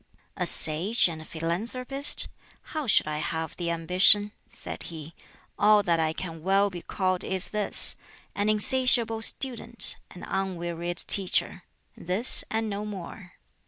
"'A Sage and a Philanthropist?' How should I have the ambition?" said he. "All that I can well be called is this An insatiable student, an unwearied teacher; this, and no more."